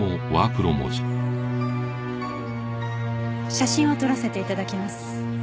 写真を撮らせて頂きます。